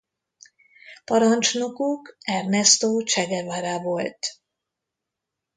Parancsnokuk Ernesto Che Guevara volt.